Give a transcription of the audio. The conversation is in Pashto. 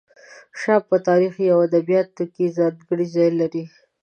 شام په تاریخ او ادبیاتو کې ځانګړی ځای لري.